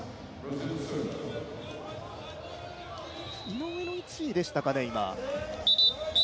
井上の位置でしたかね、今。